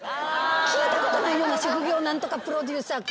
聞いたことないような職業何とかプロデューサー。